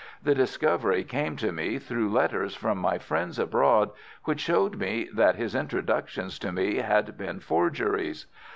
The discovery came to me through letters from my friends abroad, which showed me that his introductions to me had been forgeries.